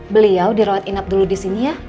beliau dirawat inap dulu disini ya